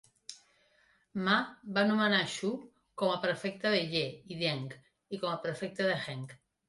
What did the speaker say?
Ma va nomenar Xu com a prefecte de Ye i Deng com a prefecte de Heng.